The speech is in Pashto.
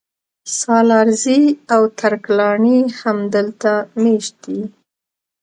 سالارزي او ترک لاڼي هم دلته مېشت دي